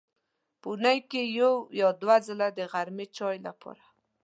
په اوونۍ کې یو یا دوه ځله د غرمې چای لپاره.